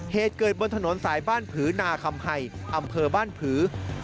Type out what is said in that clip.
เหตุเกิดบนถนนสายบ้านผือนาคำให้อำเภอบ้านผือ